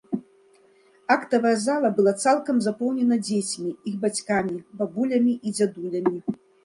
Актавая зала была цалкам запоўнена дзецьмі, іх бацькамі, бабулямі і дзядулямі.